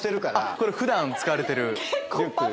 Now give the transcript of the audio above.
これ普段使われてるリュック。